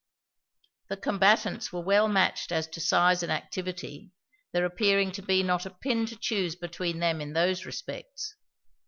The combatants were well matched as to size and activity, there appearing to be not a pin to choose between them in those respects.